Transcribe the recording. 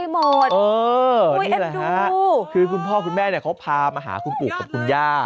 เออนี่แหละฮะคุณพ่อคุณแม่ครับเขาพามาหาคุณกุ๊บกับคุณย่า